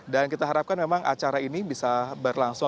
dan kita harapkan memang acara ini bisa berlangsung